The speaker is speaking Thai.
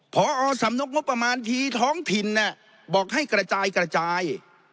พอสำนกงบประมาณทีท้องถิ่นบอกให้กระจายกระจาย